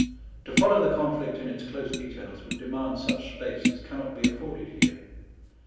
To follow the conflict in its close details would demand such space as cannot be afforded here.